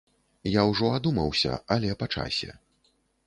Я ўжо адумаўся, але па часе.